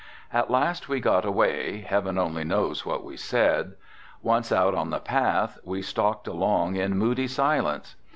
At last we got away, heaven only knows what we said. Once out on the path we stalked along in moody silence.